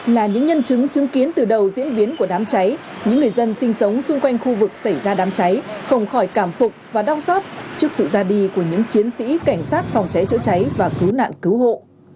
là những nhân chứng chứng kiến từ đầu diễn biến của đám cháy những người dân sinh sống xung quanh khu vực xảy ra đám cháy không khỏi cảm phục và đau xót trước sự ra đi của những chiến sĩ cảnh sát phòng cháy chữa cháy và cứu nạn cứu hộ